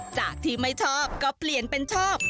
จากที่ไม่ชอบก็เปลี่ยนเป็นชอบ